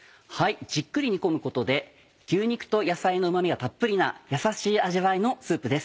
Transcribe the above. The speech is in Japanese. じっくり煮込むことで牛肉と野菜のうま味がたっぷりなやさしい味わいのスープです。